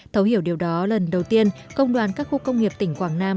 thấu hiểu điều đó lần đầu tiên công đoàn các khu công nghiệp tỉnh quảng nam